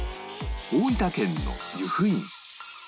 大分県の湯布院